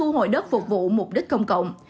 mọi đất phục vụ mục đích công cộng